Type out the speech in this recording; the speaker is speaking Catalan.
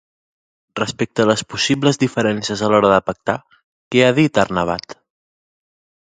Respecte a les possibles diferències a l'hora de pactar, què ha dit Arnabat?